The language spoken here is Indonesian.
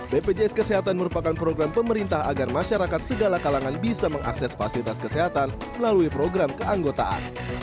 bpjs kesehatan merupakan program pemerintah agar masyarakat segala kalangan bisa mengakses fasilitas kesehatan melalui program keanggotaan